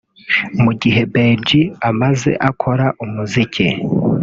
Mu gihe Bay G amaze akora umuziki